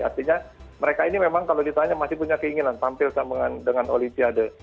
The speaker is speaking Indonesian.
artinya mereka ini memang kalau ditanya masih punya keinginan tampilan dengan olimpiade